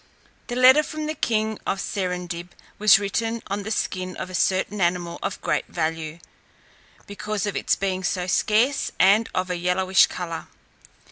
The letter from the king of Serendib was written on the skin of a certain animal of great value, because of its being so scarce, and of a yellowish colour.